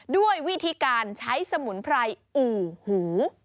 ด้วยวิธีการใช้สมุนไพรอู่หู